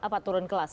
apa turun kelas